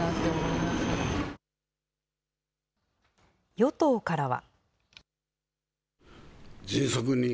与党からは。